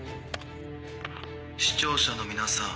視聴者の皆さん。